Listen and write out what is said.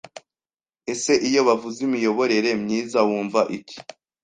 Ese iyo bavuze imiyoborere myiza, wumva iki